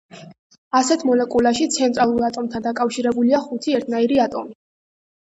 ასეთ მოლეკულაში ცენტრალურ ატომთან დაკავშირებულია ხუთი ერთნაირი ატომი.